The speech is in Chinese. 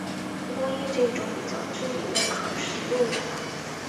蒲公英是一种比较知名的可食用野草。